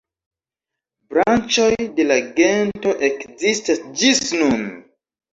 Branĉoj de la gento ekzistas ĝis nun.